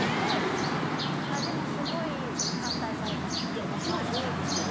いやもちろんそうですけど。